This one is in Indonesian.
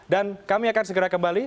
dan kami akan segera kembali